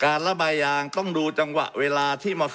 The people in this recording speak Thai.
ระบายยางต้องดูจังหวะเวลาที่มา